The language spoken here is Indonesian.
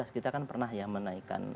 kita kan pernah ya menaikkan